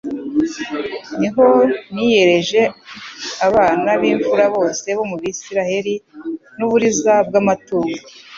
ni ho niyereje abana b'imfura bose bo mu BIsiraheli n'uburiza bw'amatungo